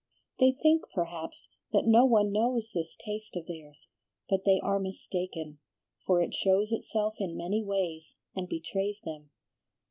They think, perhaps, that no one knows this taste of theirs; but they are mistaken, for it shows itself in many ways, and betrays them.